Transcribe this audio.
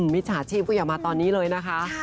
มิจฉาชีพก็อย่ามาตอนนี้เลยนะคะ